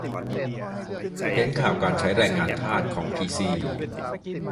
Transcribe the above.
เห็นข่าวการใช้ "แรงงานทาส" ของพีซี